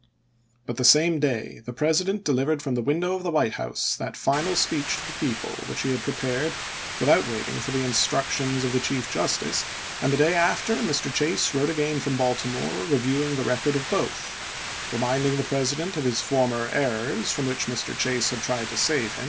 But the same day the President delivered from a window of the White House that final speech to the people which he had prepared without waiting for the instructions of the Chief Justice, and the day after, Mr. Chase wrote again from Baltimore reviewing the record of both, reminding the Presi Chase to Lincoln, April 11, 1865.